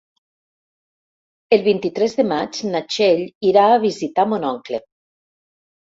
El vint-i-tres de maig na Txell irà a visitar mon oncle.